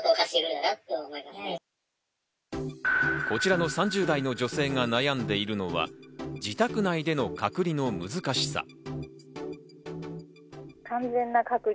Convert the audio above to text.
こちらの３０代の女性が悩んでいるのは自宅内での隔離の難しさ。